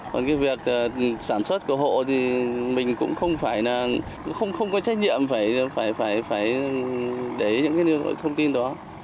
còn cái việc sản xuất của hộ thì mình cũng không phải là không có trách nhiệm phải để những cái thông tin đó